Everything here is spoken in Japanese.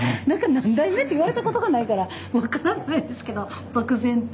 何代目って言われたことがないから分からないですけど漠然と。